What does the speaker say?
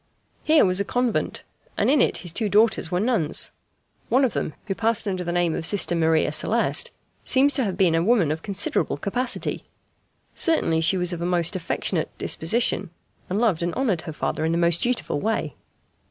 Here was a convent, and in it his two daughters were nuns. One of them, who passed under the name of Sister Maria Celeste, seems to have been a woman of considerable capacity certainly she was of a most affectionate disposition and loved and honoured her father in the most dutiful way.